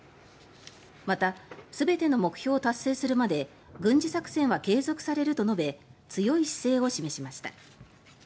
また、全ての目標を達成するまで軍事作戦は継続されると述べ強い姿勢を示しました。